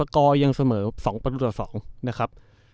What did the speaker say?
กยังเสมอ๒ประตูต่อ๒นะครับ